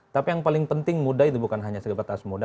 tapi yang paling penting muda itu bukan hanya segebatas muda